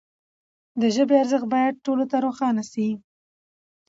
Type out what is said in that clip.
د ژبي ارزښت باید ټولو ته روښانه سي.